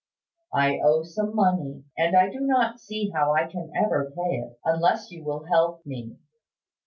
I owe some money, and I do not see how I can ever pay it, unless you will help me.